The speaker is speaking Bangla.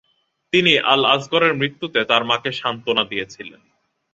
তিনি আলী আল-আসগরের মৃত্যুতে তার মাকে সান্ত্বনা দিয়েছিলেন।